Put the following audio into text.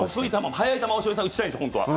速い球を翔平さんは打ちたいんです、本当は。